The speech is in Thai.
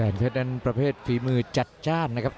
แหลมเว็ตนั้นประเภทฝีมือจัดท่านะครับ